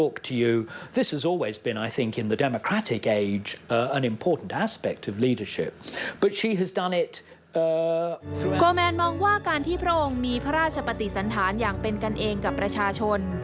แมนมองว่าการที่พระองค์มีพระราชปฏิสันฐานอย่างเป็นกันเองกับประชาชน